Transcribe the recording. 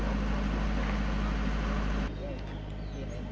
สวัสดีทุกคน